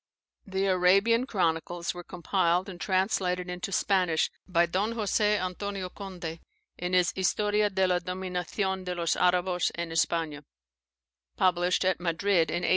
[The Arabian chronicles were compiled and translated into Spanish by Don Jose Antonio Conde, in his "Historia de la Dominacion de los Arabos an Espana," published at Madrid in 1820.